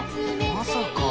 まさか。